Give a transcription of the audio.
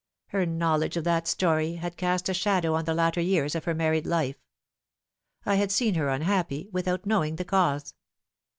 Her knowledge of that story had cast a shadow on the latter years of her married life. I had seen her unhappy, without knowing the cause.